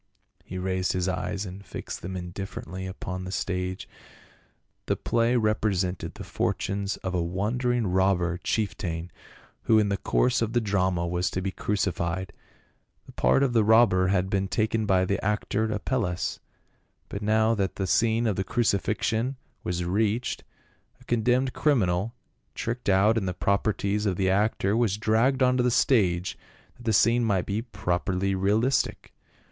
He raised his eyes and fixed them indifferently upon the stage. The play represented the fortunes of a wandering robber chieftain who in the course of the drama was to be crucified : the part of the robber had been taken by the actor Apelles, but now that the scene of the crucifixion was reached, a condemned criminal, tricked out in the properties of the actor, was dragged onto the stage, that the scene might be properly realistic.